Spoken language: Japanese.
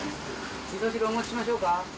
おみそ汁、お持ちしましょうか。